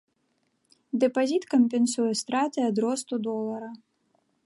Дэпазіт кампенсуе страты ад росту долара.